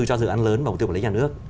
cho dự án lớn và mục tiêu của lấy nhà nước